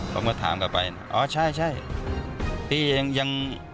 ผมก็ถามกลับไปอ๋อใช่พี่ยัง